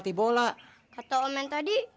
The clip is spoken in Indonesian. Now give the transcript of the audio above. tidak ada yang sudah